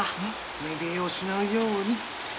寝冷えをしないようにって。